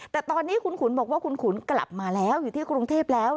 แต่ตอนนี้คุณขุนบอกว่าคุณขุนกลับมาแล้วอยู่ที่กรุงเทพแล้ว